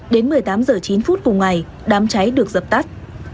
đến một mươi tám h chín cùng ngày đám cháy được dập tắt